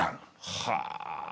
はあ。